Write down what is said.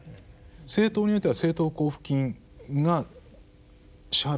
政党においては政党交付金が支払われてる。